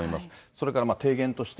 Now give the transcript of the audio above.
それから提言として。